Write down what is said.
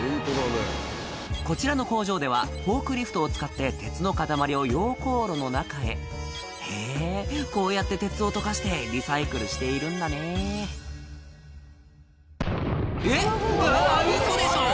こちらの工場ではフォークリフトを使って鉄の塊を溶鉱炉の中へへぇこうやって鉄を溶かしてリサイクルしているんだねえっうわわウソでしょ！